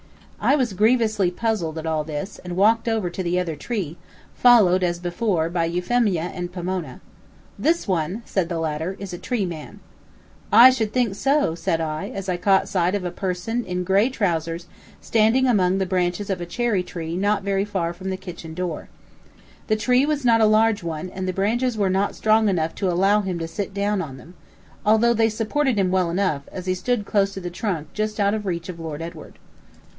I was grievously puzzled at all this, and walked over to the other tree, followed, as before, by Euphemia and Pomona. "This one," said the latter, "is a tree man " "I should think so," said I, as I caught sight of a person in gray trowsers standing among the branches of a cherry tree not very far from the kitchen door. The tree was not a large one, and the branches were not strong enough to allow him to sit down on them, although they supported him well enough, as he stood close to the trunk just out of reach of Lord Edward.